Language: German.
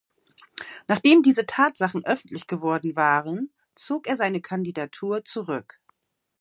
Nachdem diese Tatsachen öffentlich geworden waren, zog er seine Kandidatur zurück.